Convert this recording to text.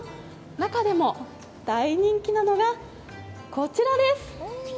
中でも大人気なのが、こちらです。